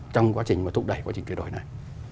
trong quá trình mà thúc đẩy quá trình chuyển đổi này